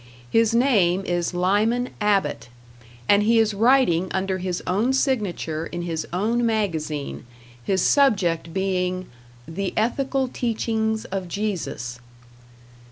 His name is Lyman Abbott, and he is writing under his own signature in his own magazine, his subject being "The Ethical Teachings of Jesus".